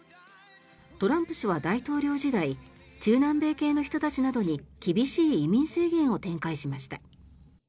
トランプ氏は大統領時代中南米系の人たちなどに厳しい移民制限を展開しました。